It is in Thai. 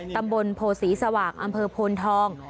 ตำบลโพศรีสว่างอำเภอโพนทอง